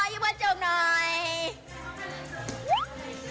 ทำกระจกหายอ่ะ